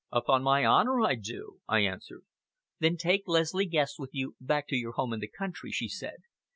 "Upon my honor I do!" I answered. "Then take Leslie Guest with you back to your home in the country," she said.